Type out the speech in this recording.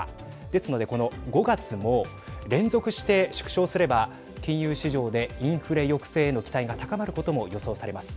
ですのでこの５月も連続して縮小すれば金融市場で、インフレ抑制への期待が高まることも予想されます。